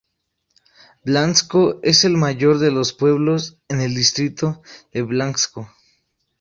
Blansko es el mayor de los pueblos en el distrito de Blansko.